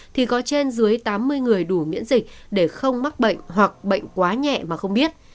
thì có trên dưới tám mươi người đủ miễn dịch để không mắc bệnh hoặc bệnh quá nhẹ mà không biết